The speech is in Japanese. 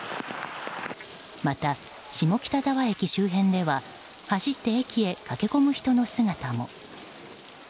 また、下北沢駅周辺では走って駅へ駆け込む人の姿も。